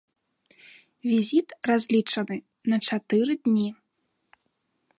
Візіт разлічаны на чатыры дні.